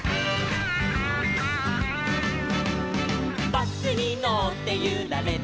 「バスにのってゆられてる」